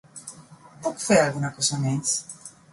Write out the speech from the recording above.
Puc fer alguna cosa més?